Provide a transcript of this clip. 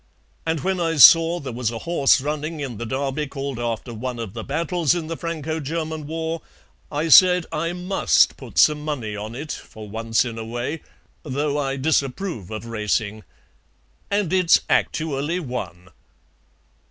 And when I saw there was a horse running in the Derby called after one of the battles in the Franco German war, I said I MUST put some money on it, for once in a way, though I disapprove of racing. And it's actually won."